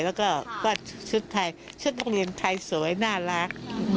แล้วชุดมะเกียรต์ไทยสวยน่ารัก